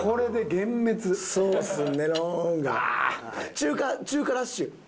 中華中華ラッシュ。